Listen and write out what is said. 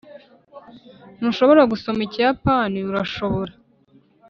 ntushobora gusoma ikiyapani, urashobora